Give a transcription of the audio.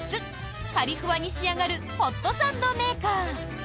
カリフワに仕上がるホットサンドメーカー。